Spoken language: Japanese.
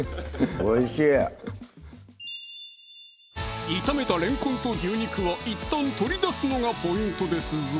おいしい炒めたれんこんと牛肉はいったん取り出すのがポイントですぞ